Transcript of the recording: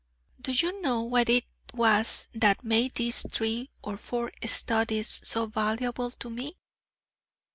Do you know what it was that made these three or four studies so valuable to me?